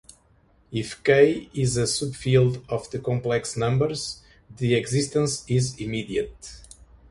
If "K" is a subfield of the complex numbers, the existence is immediate.